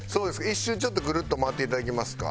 一周ちょっとグルッと回っていただけますか？